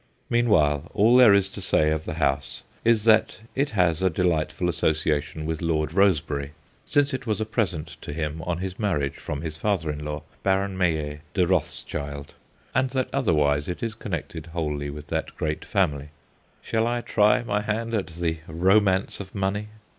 Meanwhile, all there is to say of the house is that it has a delight ful association with Lord Rosebery, since it 156 THE GHOSTS OF PICCADILLY was a present to him on his marriage from his father in law, Baron Meyer de Roths child, and that otherwise it is connected wholly with that great family. Shall I try my hand at the romance of money